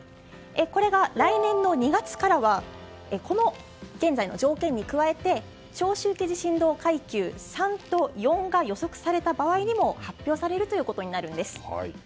これが来年の２月からはこの現在の条件に加えて長周期地震動階級３と４が予測された場合にも発表されることになるんです。